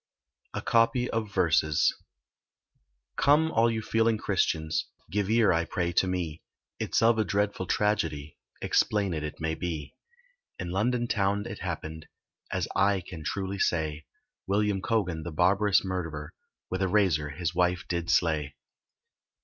A COPY OF VERSES. Come, all you feeling Christians, Give ear, I pray, to me; It's of a dreadful tragedy Explained it shall be. In London town it happened, As I can truly say, William Cogan, the barbarous murderer, With a razor his wife did slay.